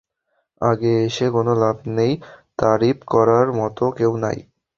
আগে এসে কোনো লাভ নাই, তারিফ করার মতো কেউ নাই।